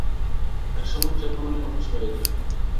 একসময় চেতনাই অবশ হয়ে যায়।